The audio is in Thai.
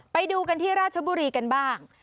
ไปดูกันที่ราชบุรีกันบ้าง